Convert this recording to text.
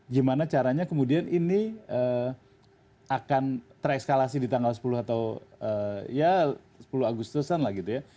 gimana caranya kemudian ini akan tereskalasi di tanggal sepuluh atau ya sepuluh agustusan lah gitu ya